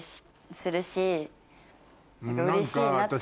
うれしいなって。